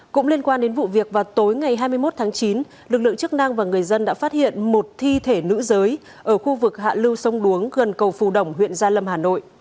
cũng liên quan đến vụ việc vào tối ngày hai mươi một tháng chín lực lượng chức năng và người dân đã phát hiện một thi thể nữ giới ở khu vực hạ lưu sông đuống gần cầu phù đồng huyện gia lâm hà nội